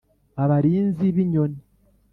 -Abarinzi b'inyoni.